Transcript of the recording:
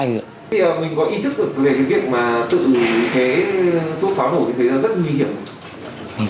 thì mình có ý thức về việc mà tự chế thuốc pháo nổ như thế rất nguy hiểm không